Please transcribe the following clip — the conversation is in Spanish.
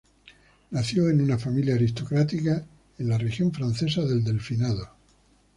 Nació en una familia aristocrática en la región francesa del Delfinado.